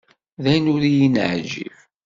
D ayen ur yi-neɛǧib.